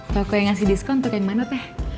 toko yang ngasih diskon tuh kayak gimana teh